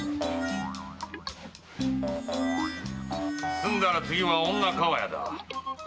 済んだら次は女厠だ。